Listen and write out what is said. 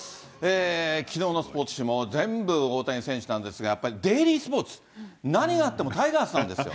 きのうのスポーツ紙も全部、大谷選手なんですが、やっぱりデイリースポーツ、何があってもタイガースなんですよ。